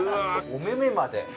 お目々まで。